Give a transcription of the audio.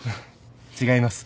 違います。